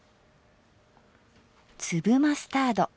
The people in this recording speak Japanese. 粒マスタード。